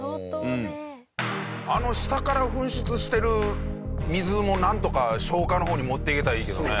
あの下から噴出してる水もなんとか消火の方に持っていけたらいいけどね。